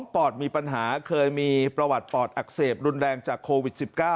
ปอดมีปัญหาเคยมีประวัติปอดอักเสบรุนแรงจากโควิด๑๙